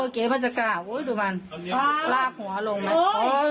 เก๋พัฒน์กล้าโอ้ยดูมันลากหัวลงมันโอ้ย